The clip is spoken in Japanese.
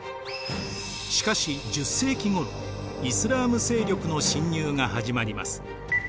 しかし１０世紀ごろイスラーム勢力の侵入が始まります。